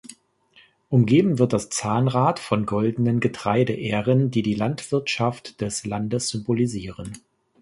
Umgeben wird das Zahnrad von goldenen Getreideähren, die die Landwirtschaft des Landes symbolisieren.